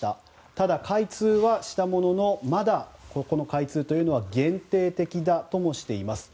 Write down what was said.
ただ、開通はしたもののまだ、この開通というのは限定的だともしています。